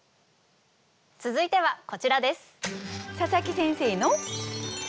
続いてはこちらです。